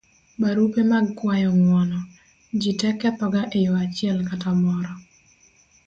barupe mag kuayo ng'uono; jite kethoga e yo achiel kata moro